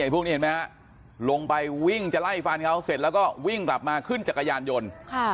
พวกนี้เห็นไหมฮะลงไปวิ่งจะไล่ฟันเขาเสร็จแล้วก็วิ่งกลับมาขึ้นจักรยานยนต์